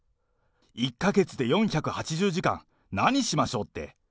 １か月で４８０時間、何しましょうって。